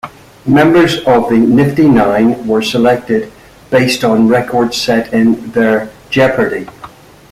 Members of the "Nifty Nine" were selected based on records set in their "Jeopardy!